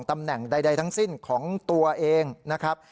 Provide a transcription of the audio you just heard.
ตำแหน่งใดทั้งสิ้นของตัวเองนะครับ